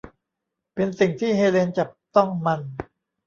เป็นสิ่งที่เฮเลนจับต้องมัน